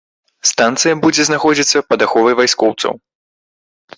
Станцыя будзе знаходзіцца пад аховай вайскоўцаў.